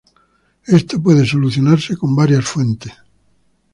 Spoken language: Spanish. Esto puede solucionarse con varias fuentes.